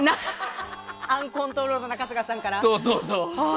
アンコントロールな春日さんから。